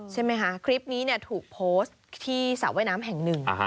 ใช่ไหมคะคลิปนี้ถูกโพสต์ที่สระว่ายน้ำแห่งหนึ่ง